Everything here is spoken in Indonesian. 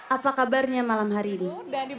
apa kabarnya malam hari ini